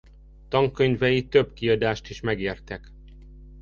Tankönyvei több kiadást is megértek.